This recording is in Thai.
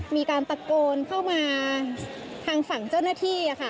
มีการตะโกนเข้ามาทางฝั่งเจ้าหน้าที่